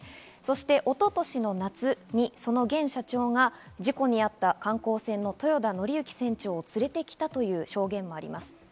一昨年の夏にその現社長が事故に遭った観光船の豊田徳幸船長を連れて来たという証言もあります。